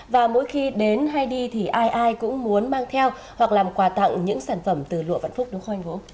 và mỗi khi đến hay đi thì ai ai cũng muốn mang theo hoặc làm quà tặng những sản phẩm từ lụa vạn phúc đúng không